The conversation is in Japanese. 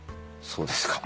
そうですか？